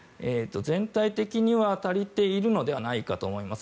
全体的には足りているのではないかと思います。